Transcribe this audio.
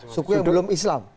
suku yang belum islam